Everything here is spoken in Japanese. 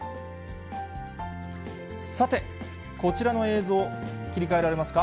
さて、こちらの映像、切り替えられますか？